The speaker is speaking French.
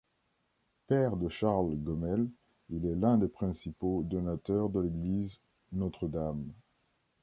Père de Charles Gomel, il est l'un des principaux donateurs de l'église Notre-Dame.